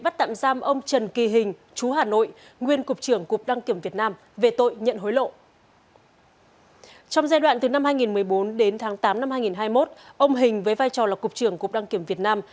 từ năm hai nghìn một mươi bốn đến tháng tám năm hai nghìn hai mươi một ông hình với vai trò là cục trưởng cục đăng kiểm việt nam